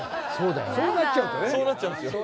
そうなっちゃうんすよ。